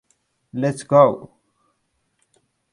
Let's go!".